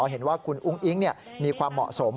เห็นว่าคุณอุ้งอิ๊งมีความเหมาะสม